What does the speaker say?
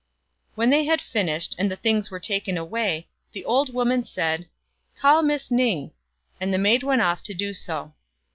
When they had finished, and the things were taken away, the old woman said, " Call Miss Ning," and the maid went off to do so.